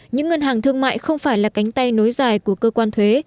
những ngân hàng thương mại không phải là cánh tay nối dài của cơ quan thuế